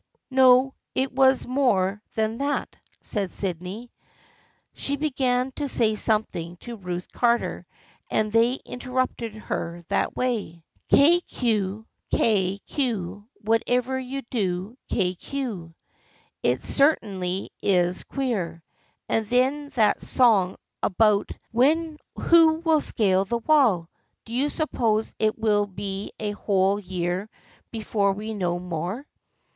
" No, it was more than that/' said Sydney. " She began to say something to Ruth Carter and they interrupted her that way. 1 Kay, Cue, Kay, Cue, whatever you do, Kay Cue.' It certainly is queer. And then that song about 1 who will scale the wall ?' Do you suppose it will be a whole year before we know more?